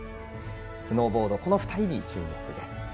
スノーボードはこの２人に注目です。